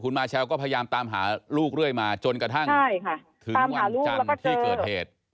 คุณมาเชลก็พยายามตามหาลูกเรื่อยมาจนกระทั่งถึงวันจันทร์ที่เกิดเหตุ